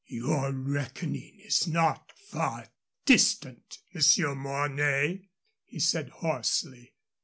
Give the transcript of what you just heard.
"Your reckoning is not far distant, Monsieur Mornay," he said, hoarsely.